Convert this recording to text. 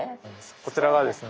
こちらがですね